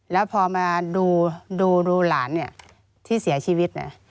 แล้วพอมาดูหลานเนี่ยที่เสียชีวิตนะ